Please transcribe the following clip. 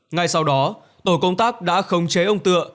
ngay sau đó tổ công tác đã khống chế ông tựa